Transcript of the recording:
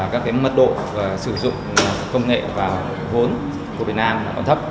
các mật độ sử dụng công nghệ và vốn của việt nam còn thấp